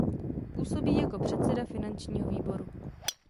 Působí jako předseda Finančního výboru.